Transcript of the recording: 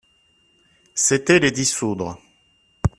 C'était les dissoudre.